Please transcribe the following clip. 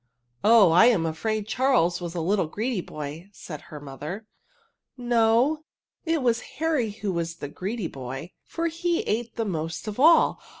'^ Oh, I am a&aid Charles was a little greedy boy, said her mother. " No ; it was Harry who was the greedy boy ; for he ate the most of all.